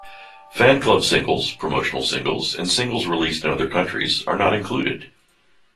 Fanclub singles, promotional singles, and singles released in other countries are not included.